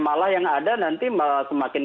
malah yang ada nanti semakin